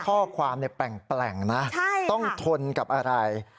ข้อความแปลงนะต้องทนกับอะไร